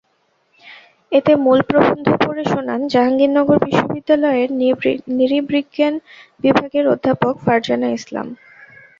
এতে মূল প্রবন্ধ পড়ে শোনান জাহাঙ্গীরনগর বিশ্ববিদ্যালয়ের নৃ-বিজ্ঞান বিভাগের অধ্যাপক ফারজানা ইসলাম।